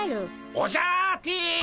オジャアーティ！